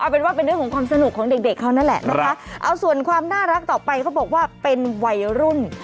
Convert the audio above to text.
เป็นว่าเป็นเรื่องของความสนุกของเด็กเด็กเขานั่นแหละนะคะเอาส่วนความน่ารักต่อไปเขาบอกว่าเป็นวัยรุ่น